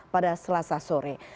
pada selasa sore